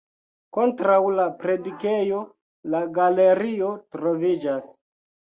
Kontraŭ la predikejo la galerio troviĝas.